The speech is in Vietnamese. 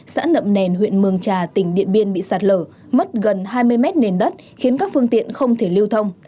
xã nậm đèn huyện mường trà tỉnh điện biên bị sạt lở mất gần hai mươi mét nền đất khiến các phương tiện không thể lưu thông